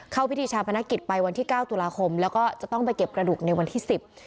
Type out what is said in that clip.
เข้าพิธีชาพนักกิจไปวันที่๙ตุลาคมแล้วก็จะต้องไปเก็บกระดูกในวันที่๑๐